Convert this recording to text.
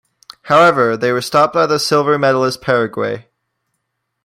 However, they were stopped by the silver medalist Paraguay.